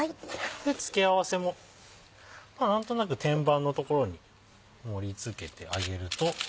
付け合わせも何となく天板の所に盛り付けてあげると。